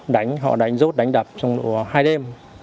đánh họ đánh rút đánh đập trong hai đêm